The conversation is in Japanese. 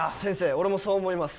俺もそう思います